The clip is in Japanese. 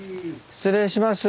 失礼します。